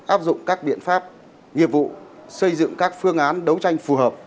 áp dụng các biện pháp nghiệp vụ xây dựng các phương án đấu tranh phù hợp